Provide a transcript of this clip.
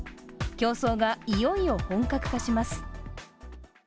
競争がいよいよ本格化します。